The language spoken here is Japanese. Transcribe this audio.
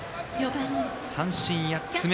三振８つ目。